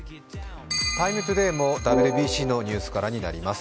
「ＴＩＭＥ，ＴＯＤＡＹ」もＷＢＣのニュースからになります。